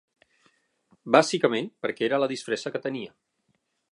Bàsicament, perquè era la disfressa que tenia.